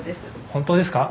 本当ですか？